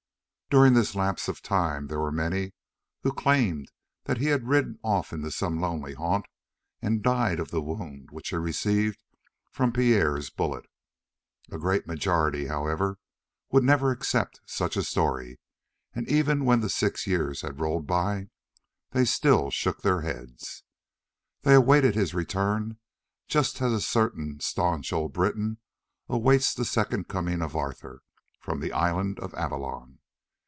During this lapse of time there were many who claimed that he had ridden off into some lonely haunt and died of the wound which he received from Pierre's bullet. A great majority, however, would never accept such a story, and even when the six years had rolled by they still shook their heads. They awaited his return just as certain stanch old Britons await the second coming of Arthur from the island of Avalon.